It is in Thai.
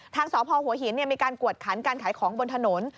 ทางสพหัวหินมีการกวดขันการขายของบนถนน